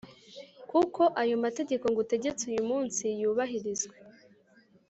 kuko ayo mategeko ngutegetse uyu munsi yubahirizwe